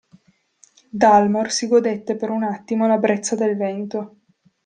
Dalmor si godette per un attimo la brezza del vento.